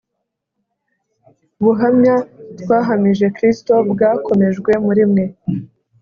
ubuhamya twahamije Kristo bwakomejwe muri mwe;